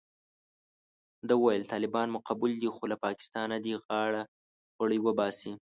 ده ویل طالبان مو قبول دي خو له پاکستانه دې غاړه غړۍ وباسي.